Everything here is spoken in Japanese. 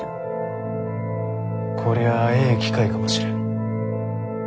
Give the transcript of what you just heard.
こりゃええ機会かもしれん。